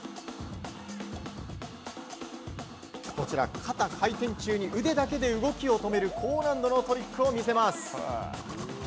肩回転中に腕だけで動きを止める高難度のトリックを見せます。